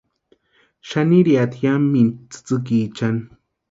Xanirhiatʼi yamintu tsïtsïkichani.